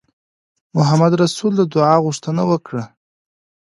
محمدرسول د دعا غوښتنه وکړه.